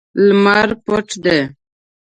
لمر پټ دی